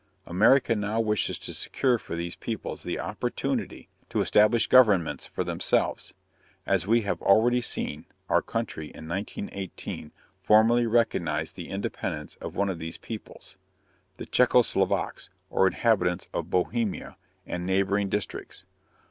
America now wishes to secure for these peoples the opportunity to establish governments for themselves. As we have already seen, our country in 1918 formally recognized the independence of one of these peoples the Czecho Slovaks, or inhabitants of Bohemia and neighboring districts.